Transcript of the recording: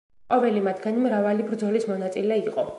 ყოველი მათგანი მრავალი ბრძოლის მონაწილე იყო.